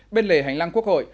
bên lề hành lang quốc hội